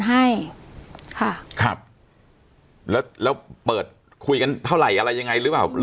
ให้ค่ะครับแล้วแล้วเปิดคุยกันเท่าไหร่อะไรยังไงหรือเปล่า